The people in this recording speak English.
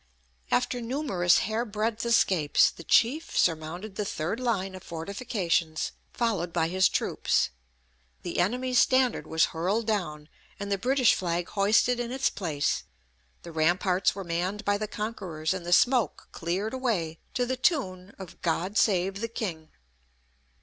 After numerous hairbreadth escapes, the chief surmounted the third line of fortifications, followed by his troops; the enemy's standard was hurled down, and the British flag hoisted in its place; the ramparts were manned by the conquerors; and the smoke cleared away, to the tune of "God save the King."